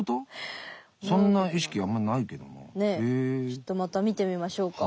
ちょっとまた見てみましょうか。